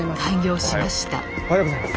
おはようございます。